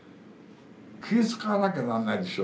気遣わなきゃなんないでしょ